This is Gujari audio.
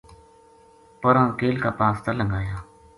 پراں کیل کا پاس تا لنگھایا